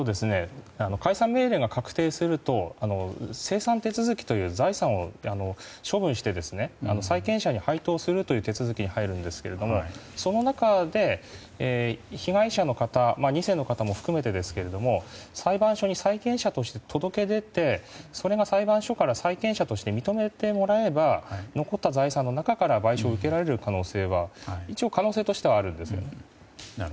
解散命令が確定すると清算手続きという財産を処分して債権者に配当するという手続きに入るんですがその中で、被害者の方２世の方も含めてですが裁判所に債権者として届け出てそれが裁判所から債権者として認めてもらえば残った財産の中から賠償を受けられる可能性は一応、可能性としてはあるんですね。